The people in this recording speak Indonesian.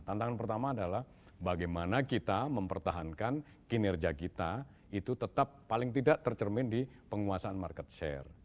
tantangan pertama adalah bagaimana kita mempertahankan kinerja kita itu tetap paling tidak tercermin di penguasaan market share